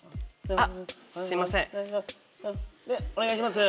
お願いします。